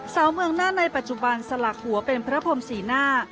สาวเมืองน่านในปัจจุบันสลักหัวเป็นพระพรมศรีหน้า